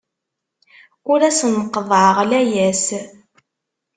Ur asen-qeḍḍɛeɣ layas.